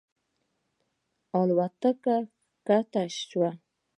الوتکه ښکته شوه.